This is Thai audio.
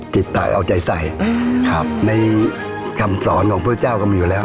จิตตายเอาใจใส่ในคำสอนของพุทธเจ้าก็มีอยู่แล้ว